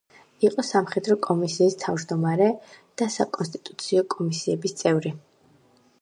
იყო სამხედრო კომისიის თავმჯდომარე და საკონსტიტუციო კომისიების წევრი.